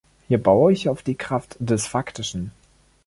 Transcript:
Hier baue ich auf die Kraft des Faktischen.